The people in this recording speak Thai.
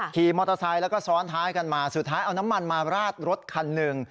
ขี่มอเตอร์ไซค์แล้วก็ซ้อนท้ายกันมาสุดท้ายเอาน้ำมันมาราดรถคันหนึ่ง